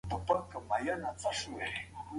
دیني علماو ټولنیز نظم پیاوړی کاوه.